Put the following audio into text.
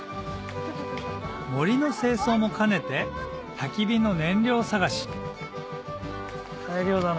森の清掃も兼ねてたき火の燃料探し大量だな。